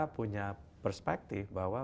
punya perspektif bahwa